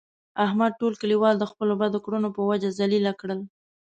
احمد ټول کلیوال د خپلو بدو کړنو په وجه ذلیله کړل.